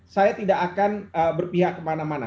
saya tidak akan berpihak kemana mana